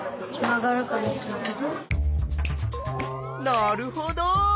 なるほど。